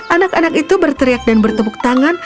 anak anak itu berteriak dan bertepuk tangan